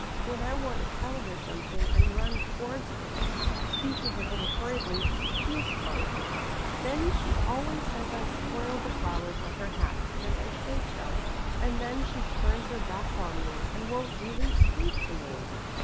When I want to tell her something and run towards her, speaking a little hurriedly, she is hurt. Then she always says I spoil the flowers on her hat because I shake them. And then she turns her back on me and won't even speak to me."